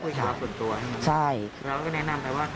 แล้วก็แนะนำไปว่าถ้าไม่ไหวกัน